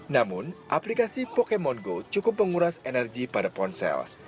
namun aplikasi pokemon go cukup menguras energi pada ponsel